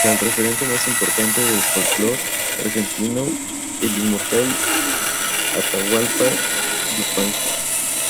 Y al referente más importante del folclore argentino, el inmortal Atahualpa Yupanqui.